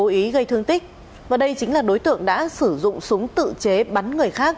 nguyễn văn luân bị gây thương tích và đây chính là đối tượng đã sử dụng súng tự chế bắn người khác